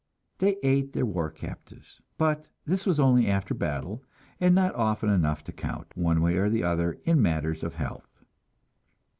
They ate their war captives, but this was only after battle, and not often enough to count, one way or the other, in matters of health.